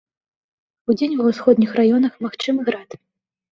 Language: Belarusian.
Удзень ва ўсходніх раёнах магчымы град.